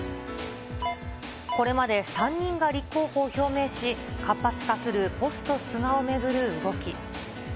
これまで３人が立候補を表明し、活発化するポスト菅を巡る動き。